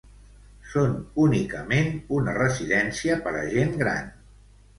Són únicament una residència per a gent gran.